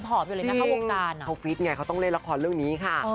เพราะฟิตเขาต้องเล่นละครเรื่องนี้ค่ะ